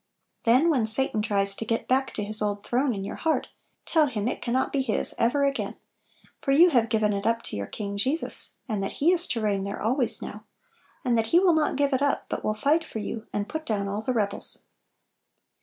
" Then, when Satan tries to get back, to his old throne in your heart, tell him it can not be his ever again, for you have given it up to your King Jesus, and that He is to reign there 68 Little Pillows. always now; and that He will not give it up, but will fight for you, and put down all the rebels.